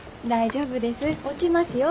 大丈夫です。